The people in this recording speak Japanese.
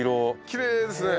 きれいですね。